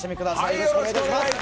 よろしくお願いします。